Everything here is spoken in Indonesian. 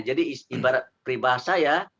jadi ibarat pribaha saya ya